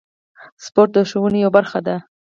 سپورت د ښوونې یوه برخه ده.